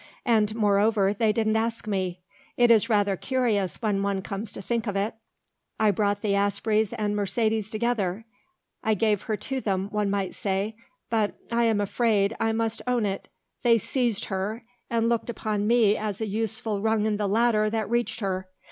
And, moreover, they didn't ask me. It is rather curious when one comes to think of it. I brought the Aspreys and Mercedes together, I gave her to them, one may say, but, I am afraid I must own it, they seized her and looked upon me as a useful rung in the ladder that reached her.